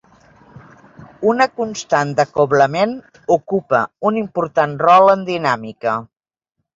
Una constant d'acoblament ocupa un important rol en dinàmica.